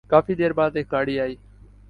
کافی دیر بعد ایک گاڑی آئی ۔